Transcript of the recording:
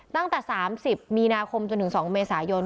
ตั้งแต่๓๐มีนาคมจนถึง๒เมษายน